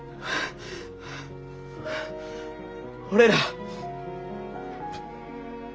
俺ら。